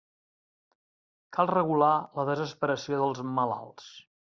Cal regular la desesperació dels malalts.